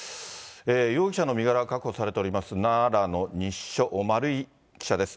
容疑者の身柄が確保されております、奈良の西署、丸井記者です。